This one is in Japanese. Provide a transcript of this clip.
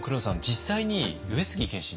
実際に上杉謙信